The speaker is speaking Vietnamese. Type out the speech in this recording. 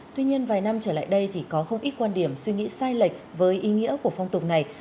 tuy nhiên vài năm trở lại đây thì có không ít quan điểm suy nghĩ sai lệch với ý nghĩa của phong tục này